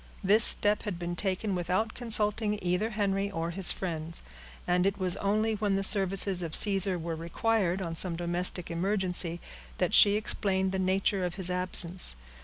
This step had been taken without consulting either Henry or his friends; and it was only when the services of Caesar were required on some domestic emergency, that she explained the nature of his absence.